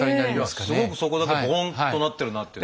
すごくそこだけボンとなってるなって。